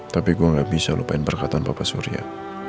tapi gue gak bisa lupain perkataan bapak surya